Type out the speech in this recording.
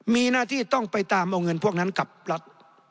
มีหน้าที่ต้องไปตามเอาเงินพวกนั้นกลับรัฐ